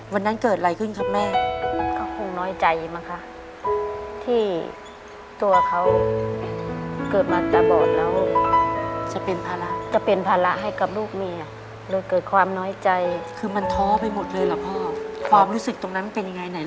วันนั้นเกิดอะไรขึ้นครับแม่ก็คงน้อยใจมั้งคะที่ตัวเขาเกิดมาตาบอดแล้วจะเป็นภาระจะเป็นภาระให้กับลูกเมียเลยเกิดความน้อยใจคือมันท้อไปหมดเลยเหรอพ่อความรู้สึกตรงนั้นมันเป็นยังไงไหน